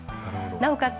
なおかつ